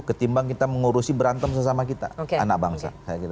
ketimbang kita mengurusi berantem sesama kita anak bangsa